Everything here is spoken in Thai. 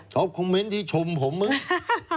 ชอบคอมเมนต์ที่ชมผมเหมือนกัน